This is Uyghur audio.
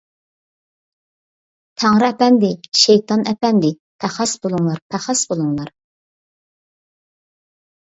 تەڭرى ئەپەندى، شەيتان ئەپەندى، پەخەس بولۇڭلار پەخەس بولۇڭلار.